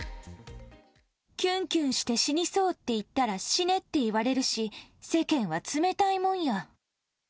キュンキュンして死にそうって言ったら死ねって言われるし世間は冷たいもんや。